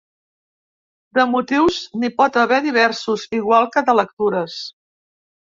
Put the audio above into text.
De motius, n’hi pot haver diversos, igual que de lectures.